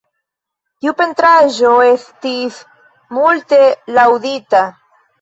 Tiu pentraĵo estis multe laŭdita.